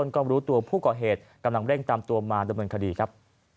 ก็รู้ตัวผู้ก่อเหตุกำลังเร่งตามตัวมาดำเนินคดีครับ